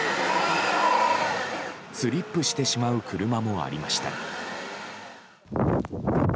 スリップしてしまう車もありました。